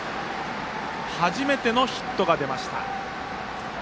初めてのヒットが出ました。